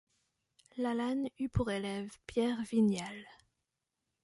Lalanne eut pour élève Pierre Vignal.